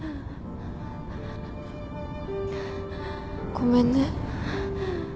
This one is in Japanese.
・ごめんね。